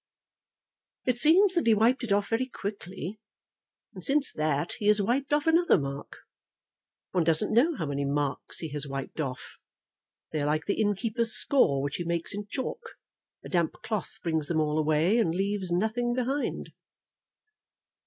"It seems that he wiped it off very quickly; and since that he has wiped off another mark. One doesn't know how many marks he has wiped off. They are like the inn keeper's score which he makes in chalk. A damp cloth brings them all away, and leaves nothing behind."